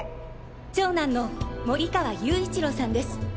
長男の森川勇一郎さんです。